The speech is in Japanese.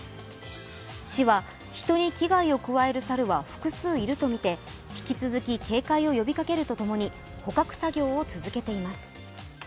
市は、人に危害を加える猿は複数いるとみて、引き続き警戒を呼びかけるとともに捕獲作業を続けています。